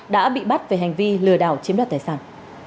đã bị bắt về hành vi lừa đảo chiếm đoạt tài sản